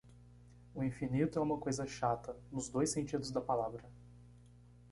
O infinito é uma coisa chata, nos dois sentidos da palavra.